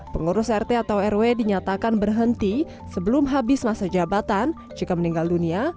pengurus rt atau rw dinyatakan berhenti sebelum habis masa jabatan jika meninggal dunia